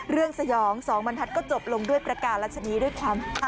สยองสองบรรทัศน์ก็จบลงด้วยประกาศรัชนีด้วยความ